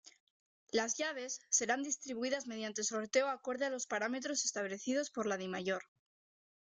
Las llaves, serán distribuidas mediante sorteo acorde a los parámetros establecidos por la Dimayor.